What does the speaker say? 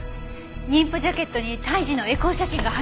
妊婦ジャケットに胎児のエコー写真が入ってたわよね？